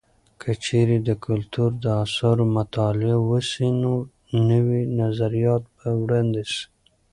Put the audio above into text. که چیرې د کلتور د اثارو مطالعه وسي، نو نوي نظریات به وړاندې سي.